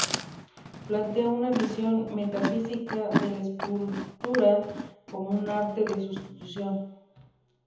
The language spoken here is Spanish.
Plantea una visión metafísica de la escultura como un arte de sustitución.